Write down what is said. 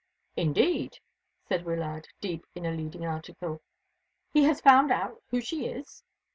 "Indeed!" said Wyllard, deep in a leading article. "He has found out who she is?"